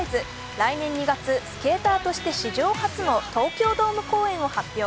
来年２月、スケーターとして史上初の東京ドーム公演を発表。